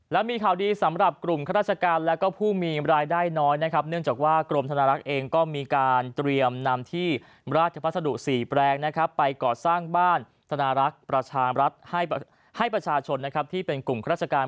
และมีข่าวดีสำหรับกลุ่มคัตราชกาลและก็ผู้มีรายได้น้อยเนื่องจากว่ากลุ่มธนรักเองก็มีการเตรียมนำทีราชภาสดุ๔แปลงไปก่อสร้างบ้านธนารักประชาชนที่เป็นกลุ่มคัตราชกาล